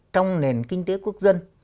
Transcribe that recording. trong nền kinh tế quốc dân